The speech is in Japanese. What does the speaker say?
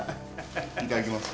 いただきます。